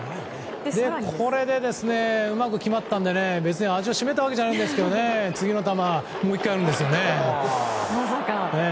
これがうまく決まったので別に味をしめたわけじゃないですが次の球でもう１回やるんですよね。